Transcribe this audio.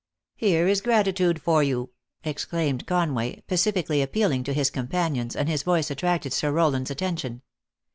"Here is gratitude for yon," exclaimed Conway, pacifically appealing to his companions, and his voice attracted Sir Rowland s attention.